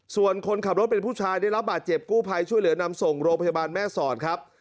ส่วนคนขับรถเป็นผู้ชายได้รับบาดเจ็บกู้ภัยช่วยเหลือนำส่งโรงพยาบาลแม่สอดครับ